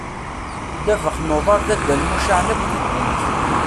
Ddabex n uḍar d addal mucaεen akk di ddunit.